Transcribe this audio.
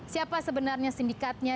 siapa sebenarnya sindikatnya